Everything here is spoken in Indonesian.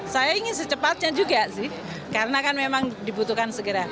saya ingin secepatnya juga sih karena kan memang dibutuhkan segera